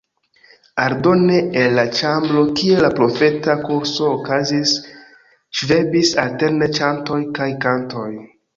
Aldone el la ĉambro, kie la profeta kurso okazis, ŝvebis alterne ĉantoj kaj kantoj.